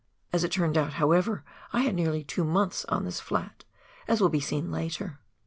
As it turned out, however, I had nearly two months on this flat, as will be seen later.